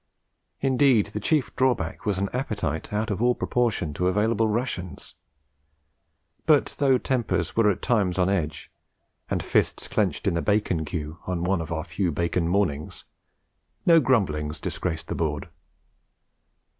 Indeed, the chief drawback was an appetite out of all proportion to available rations; but, though tempers were at times on edge, and fists clenched in the bacon queue, on one of our few bacon mornings, no grumbling disgraced the board.